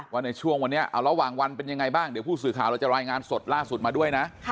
ว่าในช่วงวันนี้เอาระหว่างวันเป็นยังไงบ้างเดี๋ยวผู้สื่อข่าวเราจะรายงานสดล่าสุดมาด้วยนะ